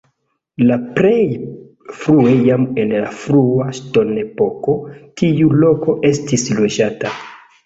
La plej frue jam en la frua ŝtonepoko tiu loko estis loĝata.